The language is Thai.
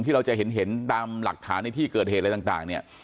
เราจะเห็นตามหลักฐานในที่เกิดเหตุอะไรต่างเนี่ย